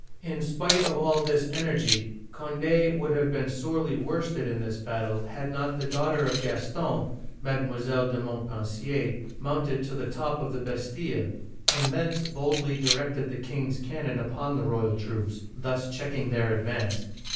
" In spite of all this energy, Cond6 would have been sorely worsted in this battle had not the daughter of Gaston (Mile, de Montpensier) mounted to the top of the Bastille, and thence boldly di rected the king's cannon upon the royal troops, thus checking their ad vance.